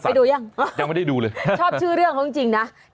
ไปดูหรือยังชอบชื่อเรื่องของจริงนะยังไม่ได้ดูเลย